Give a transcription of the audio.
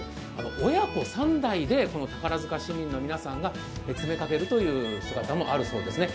親子３代でこの宝塚市民の皆さんが詰めかけるという姿もあるそうですね。